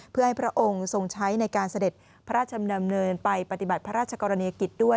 เพื่อให้พระองค์ทรงใช้ในการเสด็จพระราชดำเนินไปปฏิบัติพระราชกรณีกิจด้วย